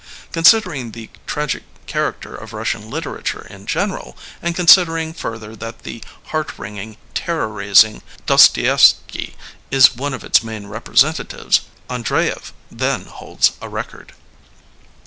Considering the tragic char acter of Eussian literature in general, and consid ering further that the heart wringing, terror rais ing Dostoyevsky is one of its main representatives, Andreyev then holds a record.